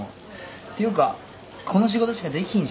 ていうかこの仕事しかできひんし。